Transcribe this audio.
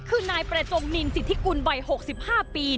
คือนายประจงนินสิทธิกุลวัย๖๕ปี